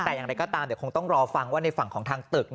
แต่อย่างไรก็ตามเดี๋ยวคงต้องรอฟังว่าในฝั่งของทางตึก